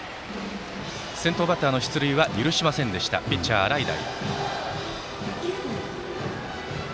先頭バッターの出塁は許しませんでしたピッチャーの洗平。